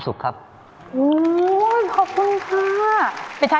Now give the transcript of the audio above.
ช่วยฝังดินหรือกว่า